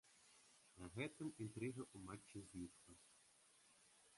На гэтым інтрыга ў матчы знікла.